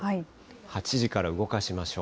８時から動かしましょう。